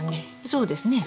そうですね。